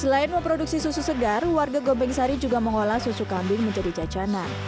selain memproduksi susu segar warga gombeng sari juga mengolah susu kambing menjadi jajanan